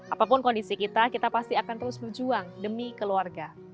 apapun kondisi kita kita pasti akan terus berjuang demi keluarga